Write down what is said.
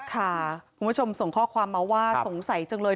คุณผู้ชมส่งข้อความมาว่าสงสัยจังเลย